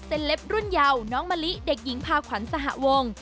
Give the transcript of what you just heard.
เล็บรุ่นเยาน้องมะลิเด็กหญิงพาขวัญสหวง